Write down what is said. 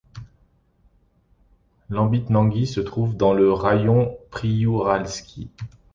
Labytnangui se trouve dans le raïon Priouralski.